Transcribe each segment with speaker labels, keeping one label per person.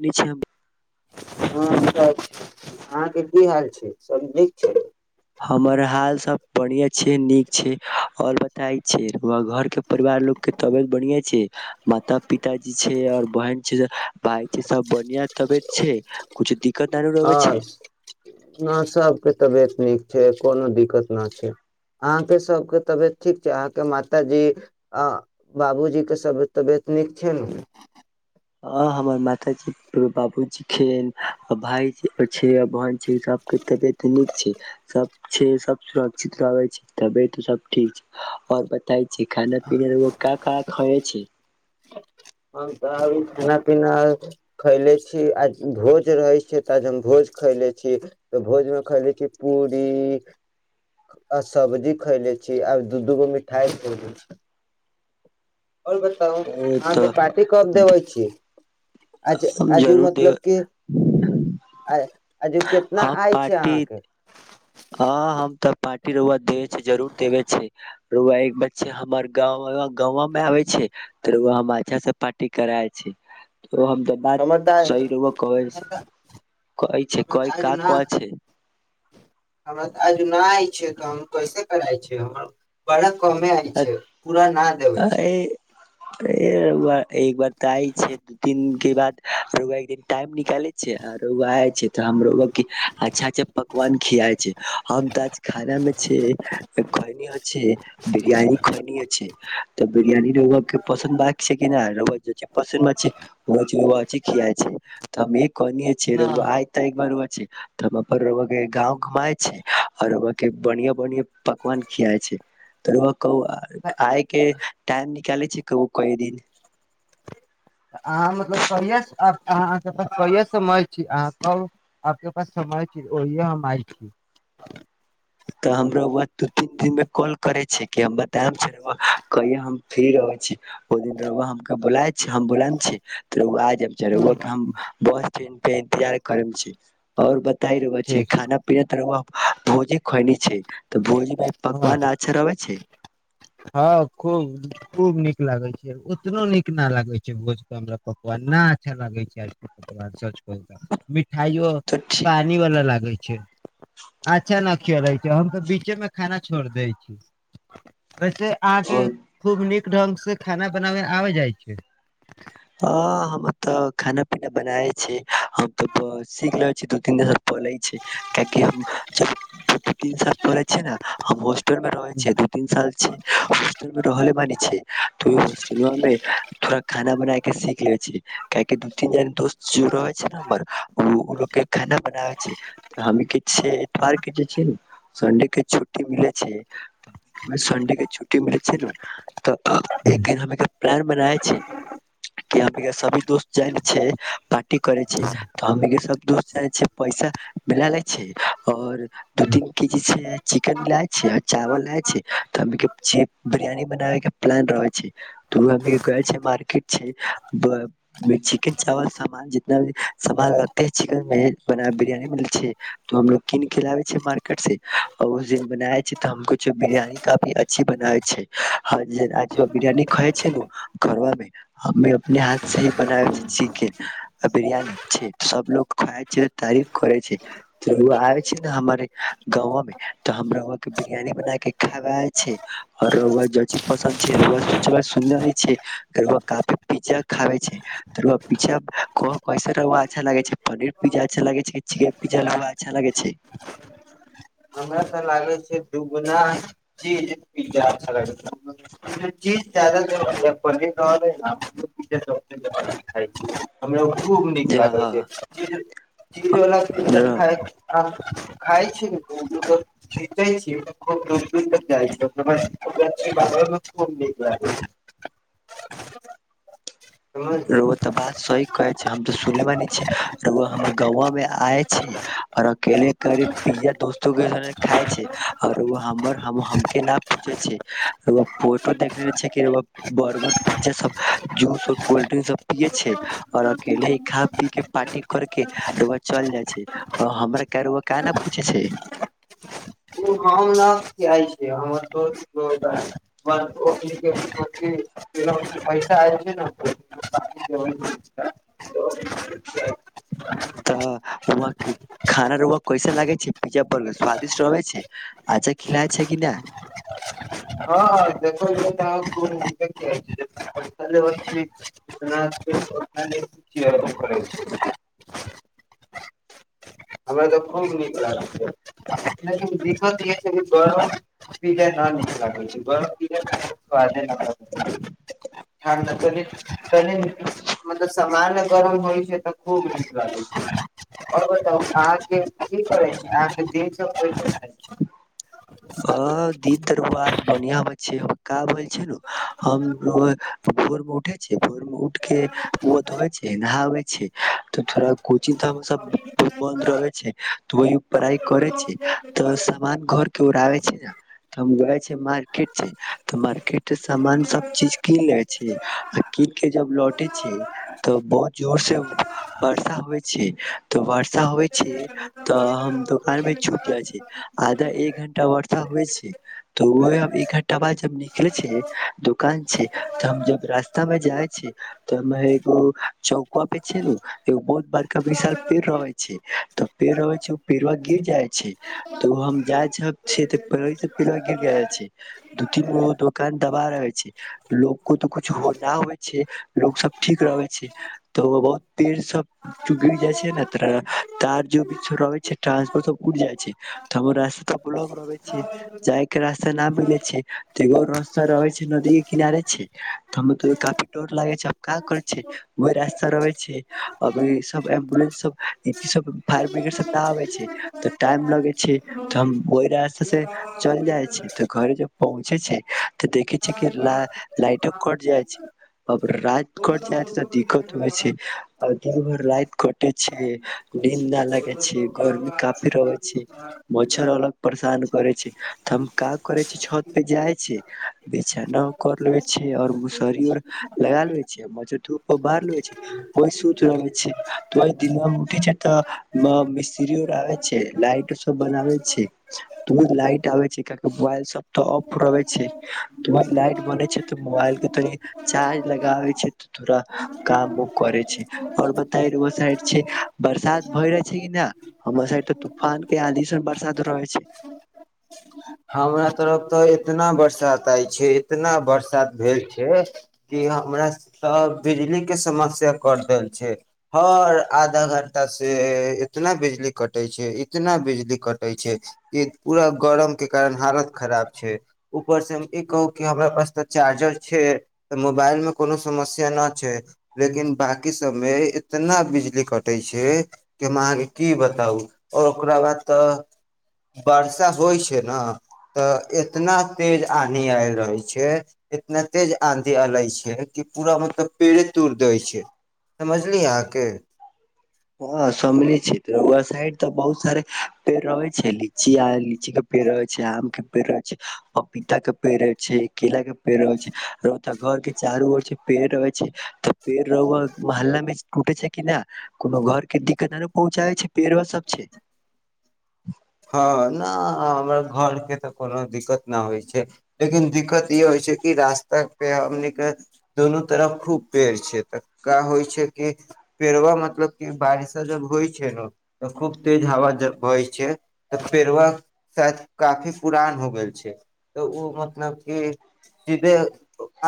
Speaker 1: नीचे हम
Speaker 2: हँ अहाँके की हाल छैइ सब नीक छैइ
Speaker 1: हमर हाल सब बढ़िआ छिये नीक छिये और बतैछै व घर के परिवार लोग के तबियत बढ़िया छै। माता पिताजी छै। और बहन छै। भाय छै। सब बढ़िया तबियत छै। कुछ दिक्
Speaker 2: आर न सबके तबियत नीक छै, कोनो दिक्कत न छै, अहाँके सभके तबियत ठीक छै अहाँके माताजी आ बाबूजीके तबियत नीक छै। ने
Speaker 1: ह हमर माताजी बाबूजी के भाय छै, बहन छै, सबके तबियत नीक छै, सब छै, सब सुरक्षित रहे छै तबियत सब ठीक छै। ओर बताइ खान पीना रौउआ का का खइले छी।
Speaker 2: हम तऽब खाना पीना खैले छी, आज भोज रहै छै। तऽ आज हम भोज खैले छी, तऽ भोजमे खैले छी, पूरी आ सब्जी खैले छी, आ दू दूगो मिठाइ खेले छी। ओर बताउ
Speaker 1: ओ
Speaker 2: अहाँके
Speaker 1: तऽ
Speaker 2: पार्टी कब देबै
Speaker 1: हम
Speaker 2: छि, आज आजु
Speaker 1: जरूर देब
Speaker 2: मतलब कि आ आजू केितना आय छै, अहाँके
Speaker 1: ह हम तऽ पार्टी ति राऊआ देवे छै, जरूर देब छै। राऊआ एक बच्चा हमर गाँव गाँंवा मे आबै छै। तर हम अच्छा से पार्टी कराये छै। ओ हम त बात
Speaker 2: हमर तऽ
Speaker 1: सही राऊआ कवइ से
Speaker 2: हमरा
Speaker 1: कहै
Speaker 2: तऽ
Speaker 1: छैै
Speaker 2: आज
Speaker 1: का
Speaker 2: न
Speaker 1: कह छै।
Speaker 2: हमरा आज नहि आइ छै, तऽ हम कैसे करइ छ, हमर बरा
Speaker 1: ऐत
Speaker 2: छै
Speaker 1: ऐ रऊआ एक बार तए आइ छै। दू तीन के बाद रऊआ एक दिन टाइम निकाले छै, आ रऊआ आइछै तऽ हम रऊआ के अच्छा अच्छा पकवान खियाए छै, हम तऽ आज खाना मे छै, खैनी ह छै। बिरियानी खेनी ह छै, तऽ बिरियानी रऊआ के पसन्द बा से कि नह रऊआ जो चिज पसन्द न छै। [unintelligible] ज ची खिया छै तमे कहनीिय र
Speaker 2: न
Speaker 1: आइ तऽ ब त पर रउआ के गाऊ घुमय छै, ओर रऊआ के बनिह्या बनिह्या पकवान खिया ऐ छै। त [inaudible] कह आइके टाइम निकाली छि कबो कइ दिन
Speaker 2: अहाँ मतलब कहिया से अहाँके प कहि से सम [unintelligible] आ तब आपके पास समय ओहिए हम आइल छी
Speaker 1: तऽ हमरउआ दू तीन दिन मे कॉल करे छी कि हम बतायम छी कहिय हम फ्री रहे छी ओ दिन रऊआ हम बोलेम छी त रऊआ आजेम रउआ के हम बस ट्रेन के इंतजार करम छी और बताइ रऊआ छि
Speaker 2: ठीक
Speaker 1: खाना पीना त रऊआ भोजे खाइनी छैय तऽ भोज मै
Speaker 2: हँ
Speaker 1: पकवान आच्छर रहबै छैय
Speaker 2: हँ खूब खूब नीक लागे छैय ओतनो नीक न लागे छैय भोज के हमरा पकवान न अच्छा लागे छैय आज पकवान मिठाइ ओ
Speaker 1: तऽ
Speaker 2: पानि वाला लागै अच्छा न क [unintelligible] रहै छैय हम तऽ बीचे मे खाना छोड़ दै छी से आके
Speaker 1: ठीक
Speaker 2: खूब नीक ढंग से खाना बनाबे आबै जाइ छैय
Speaker 1: ह हम तऽ खाना पीना बनाए छी हम तऽ सीख रहले छी दू तीन द पे छैय कियाकि हम जब दू तीन साल पले छ ने हम हॉस्टल मे रहे छियै दू तीन साल छै हॉस्टल मे रहले मान छैय हॉस्टेलो मे थोड़ खाना बनाय के सीख ले छ काहि दू तीन जन दोस्त जो रह छैय ने हमर ओ लग के खाना बनाबे छैय हम के छियर के जे छ सन्डे के छुट्टी मिले छैय सनडे के छुट्टी मिले छैय ने त एक दिन हम प्लान बनाए छैय सभी दोस्त [unintelligible] क करै छी तऽ हमनी के सब द चाहए छैय पैसा मिला ले छैय और दू तीन के जी चिकेन लाय छैय चावल लाय छैय त के बिरयानी बनावे के प्लान रहे छैय के छैय मार्केट चिकेन चावल सामान जितना भ सान लगते हिक बिरान हमोग कीन के लाबे छै मार्केट से बना छैय त हमो बिरियानी काफी अच्छी बनावै छैय बिरियानी खा छैय घरा मे हमे अपने हाथ से ही बनाबे छैय चिकेन बिरियानी सब लोग खााय छैय तारीफ करै छैय आबे छैय ने हमरे गाँंव में तऽ हमराआ के बिरियानी बना के खाया छैरआीज पसन्द छैय छ काफी पिज्जा खाबे छैय त रउआ कैस रह अच्छा लगे छैय पनीर पिज्जा अच्छा लगे छैय की चिकेन पिज्जा अच्छा ल छैय
Speaker 2: हमरा तऽ लागे छैय दुगुना ची पिज्जा अच्छा ल चीज जदा जर अपन [unintelligible] खूब नीक लागे छैय
Speaker 1: ज
Speaker 2: चिड़ वला च
Speaker 1: र
Speaker 2: खाय खा छी ने जीते छी खूब दूर दूर तक जाइ छी अप श्ष ब खूब नीक लागै छै समझली
Speaker 1: रुआत बात सही कहे छै हम त सुन मे छी रुआ हमर गाँव में आय छै और अकेले करे पिज्जा दोस्तो के खााय छै र रुआ हमर के न पूछे छै फोटो देखले छै बर्गर पिज्जा सब जू कोल्ड ड्रिंक सब पियए छैय और अकेले ही खा पी के पार्टी करकेरुआ चल जाइ छैय हमर रु क ने पूछे छैय
Speaker 2: ओ हम ने हमर [inaudible]
Speaker 1: तऽ व खाना र रुआ कैसा लागै छैय पिज्जा बर्गर स्वादिष्ट रहै छैय अचछा खिलाय छैय कि ना
Speaker 2: हँ देख [unintelligible] हमरा तऽ [unintelligible] लेकिन दिकत ई छैय गरम पीजा न नीक लागै छैय गरम पे लनी मतलब सामान्य गरम होइ छैय तऽ खूब नीक लागै छैय अर बताऊ अहाँके की करै छी अहाँके द अच्छा
Speaker 1: अ दीप तरु आज बनआ बै छै। क भै हम रुआ भोरब उठै छी भर्मे उठके बत होइ छै। नावे ीक तऽ थोड़ा कोचिंग सब बन्द रहे छै। त वह पढ़ाइ करे छै। तऽ सान घर आबे छै, ने त हम गए छै मार्केट छै। तऽ मार्केट सामान सब चीज कीन ले छी। आ कीन के जब लौट तऽ बहुत जोर से वर्षा होइ छै। तऽ वर्षा होइ छी तऽ हम दोकान मे छूट जाइ छी आधा एक वर्षा हो छै, त ओ एक घण्टा बाद ज निकले छै, दुकान छै, तऽ हम जब रास्ता मे जाय छै। तऽ एगो चौका पे छै। एगो बहुत बड़का विशाल पेड़ रहे छै तऽ पेड़ रहे छै, ओ पेड़ा गिर जाइ छै। त हम प गिर छै, दू तीन गो दुोकान दबा रहै छै। लोकोग को तऽ कुछ नहि होइ छै, लोग सब ठीक रहे छै। तऽ बहुत पेड़ सब गिर जाय छै, ने त तार जो भी रहे छै। ट्रांसपोट सब उड़ जाइ छै। त हम रास्ता त जाय के रास्ता न मिले छै। एगो रास्ता रहे छै, नदी के किनारे छै। हम काफी डर लागे छै, क करे छै। वह रास्ता रहे छै, अभ सब एम्बुलेंस सब सब फायर ब्रगेड सब न आबे छै त टाइम लगे छै। त कोहि र त से चल जाइ छै। तऽ घरे जब पहुँचे छै। तऽ देखे छै। किा लाइटो कट जाइ छै। अब राइत कट जाइ छै, तऽ दिक्कत होइ छै। आओ दिन भर रात कटे छै। निम ना लगे छै। गर्मी क फर मछर अलग परेशान करे छै। त हम काज करे छ, छत पे जाय छै बेछनाा कर लेबे छै। और मसहरीर लगा ले छ म धूप बारर लेे छै ओ सुति रहे छै। ओहि दना मे उठे छै त मिस्त्रीर आबे छै। लाइट सब बनाबे छै लाइट आबे छै, क मोबाल सब त ऑफ रहे छै। वी लाइट बने छै, त मोबाइल के त चार्ज लगाबे छै। तोरा काम उ करे छै, और बता साइड छै। बरसात भय रहे छै, कि ने हमर साइड त तूफान के आदी बरसात रह छै।
Speaker 2: हमरा तरफ तऽ इतना बरसात आय छै। इतना बरसात भेल छै, कि हमरा सब बिजली के समस्या कट देल छै, हर आधा घं्टा से इतना बिजली कटे छै, इतना बिजली कटे छै। कि पूरा गरम कार हालत खराब छै। ऊपर से ई कहू कि हमरा पास त चार्जर छै। तऽ मोबाइल मे कोनो समस्या नहि छै। लेकिन बाकी सब मे इतना बिजली कटे छै। कि हम अहाँके की बताउ आओर ओकरा बाद तऽ बरसा होइ छै। तऽ इतना तेज आंधी आल रहै छै। इतना तेज आंधी आल छै। कि पूरा मतलब पेड़े तोड़ दै छै। समझलिय अहके
Speaker 1: हँ समिल छै। ओह साइड तऽ बहुत सारे पेड़ रहै छै। लीी लीची के पेड़ रहै छै। आम के पेड़ रहै छै। पपीता के पेड़ छै। केला के पेड़ रहै छै। घर के चारूर पेड़ रहै छै तऽ पेड़ मोहल्ला मे टूटे छै। कि नहि कोनो घरके दिक्कत आर पहुँचाबै छै, पेड़ा सब छै।
Speaker 2: हँ ने हमर घरके तऽ कोनो दिक्कत नहि होइ छै। लेकिन दिक्कत ई होइ छै। कि रास्ता पे हमने दुनू तरफ खूब पेड़ छै। तका होइ छै। कि पेड़बा मतलब कि बारिशा जब होइ छै ने तऽ खूब तेज हवा ज होहै छै, तऽ पेड़वा शायद काफी पुरान हो गेल छै। तऽ ओ मतलब कि सीधे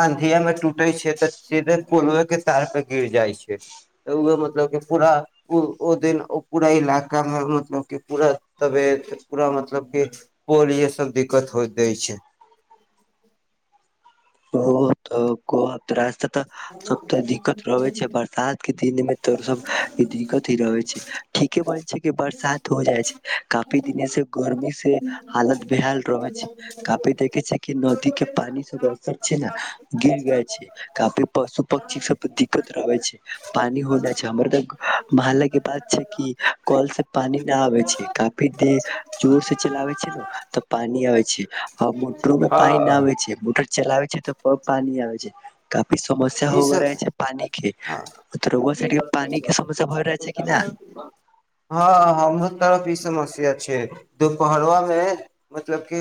Speaker 2: आँधियामे टूटै छै, तऽ सीधे कलएके तारपर गिर जाइ छै, तऽ ओ मतलब कि पूरा ओ दिन पूरा इलाकामे मतलब कि पूरा तबेत पूरा मतलब क पोल य सब दिक्कत होइत दै छै।
Speaker 1: ओत कोत त त सब त दिक्कत रहे छै, बरसात के दिन में तो सब दिक्कत ही रहे छै। ठीके बोल छै, कि बरसात हो जाइ छै। काफी दिने से गर्मी से हालत बेहाल रहे छै, काफी देखे छै। कि नदी के पानी सब छै ने गिर गए छै। कापे पशु पक्षी सब पर दिक्कत रहबे छै। पानि होना छै, हमर तऽ महल के बात छै। कि कल से पानी न आबे छै, काफी देर जोर से चलाबे छै। ने तऽ पानी आबे छै आ मोटरो में पानी न आबे छै मोटर चलाबै छै तऽ प पानी आबै छै काफी समस्या
Speaker 2: ई
Speaker 1: हो गेल
Speaker 2: सब
Speaker 1: रहे छै पानी के
Speaker 2: हँ
Speaker 1: तो रउआ साइड के पानी के समस्या भय रहे छै कि ना
Speaker 2: हमहु तब ई समस्या छै दुपहरवा मे मतलब कि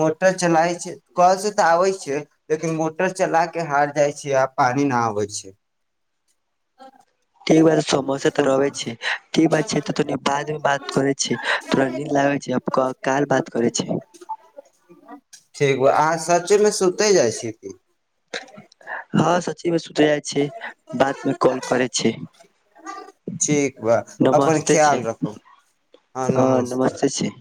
Speaker 2: मोटर चलाई छै कल से तऽ आबे छै लेकिन मोटर चला के हार्ड जाइ छै आ पानि न आवछै [inaudible]
Speaker 1: इ बेर समस्या तऽ रहबे छै की बात छै तनी बाद मे बात करै छी तोरा नीन्द लागे छै हम क काइल बात करे छै
Speaker 2: ठीक बा अहाँ सचमे सुते जाइ छियै की
Speaker 1: हँ सचीमे जाइ छै बाद मे कॉल करै छी
Speaker 2: ठीक बा अपन
Speaker 1: नमस्ते छै
Speaker 2: ख्याल रखू
Speaker 1: हँ नमस्ते छै